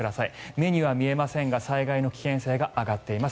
目には見えませんが災害の危険性が上がっています。